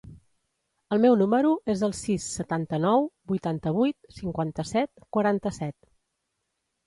El meu número es el sis, setanta-nou, vuitanta-vuit, cinquanta-set, quaranta-set.